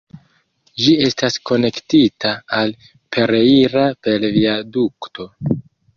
Ĝi estas konektita al "Pereira" per viadukto.